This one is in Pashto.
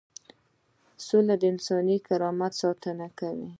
سوله د انساني کرامت ساتنه کوي.